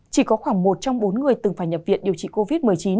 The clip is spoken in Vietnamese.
chỉ có khoảng một trong bốn người từng phải nhập viện điều trị covid một mươi chín